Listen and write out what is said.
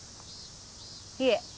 いえ。